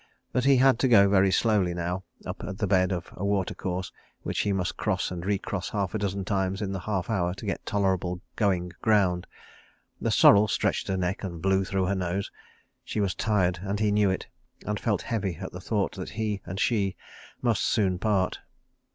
But he had to go very slowly now, up the bed of a water course which he must cross and re cross half a dozen times in the half hour to get tolerable going ground. The sorrel stretched her neck and blew through her nose. She was tired and he knew it, and felt heavy at the thought that he and she must soon part.